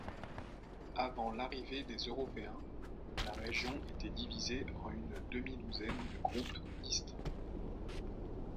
Avant l'arrivée des Européens, la région était divisée en une demi-douzaine de groupes distincts.